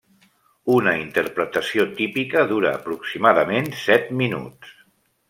Una interpretació típica dura aproximadament set minuts.